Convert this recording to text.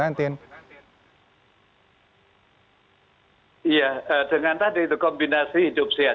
iya dengan tadi itu kombinasi hidup sehat